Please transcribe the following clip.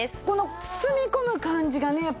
この包み込む感じがね